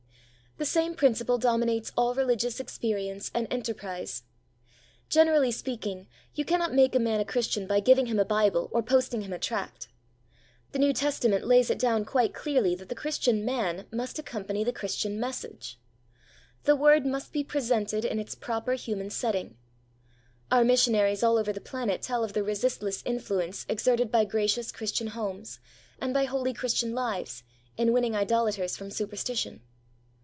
The same principle dominates all religious experience and enterprise. Generally speaking, you cannot make a man a Christian by giving him a Bible or posting him a tract. The New Testament lays it down quite clearly that the Christian man must accompany the Christian message. The Word must be presented in its proper human setting. Our missionaries all over the planet tell of the resistless influence exerted by gracious Christian homes, and by holy Christian lives, in winning idolators from superstition.